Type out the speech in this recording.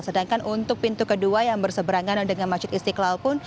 sedangkan untuk pintu kedua yang berseberangan dengan masjid istiqlal pun